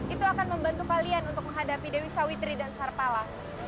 itu akan membantu kalian untuk menghadapi dewi sawitri dan sarpala